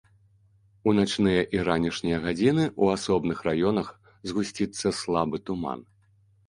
У начныя і ранішнія гадзіны ў асобных раёнах згусціцца слабы туман.